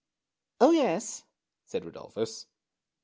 " Oh, yes," said Rudolphus.